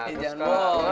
eh jangan bohong